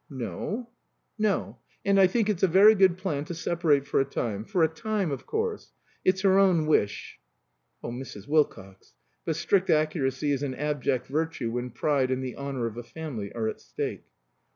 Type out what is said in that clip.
"No " "No. And I think it's a very good plan to separate for a time. For a time, of course. It's her own wish." (Oh, Mrs. Wilcox! But strict accuracy is an abject virtue when pride and the honor of a family are at stake.)